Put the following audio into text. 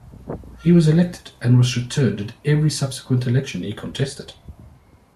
He was elected and was returned at every subsequent election he contested.